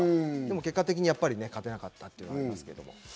結果的に勝てなかったというのはありますけれども。